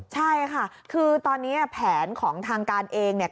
ใช่ค่ะคือตอนนี้แผนของทางการเองเนี่ย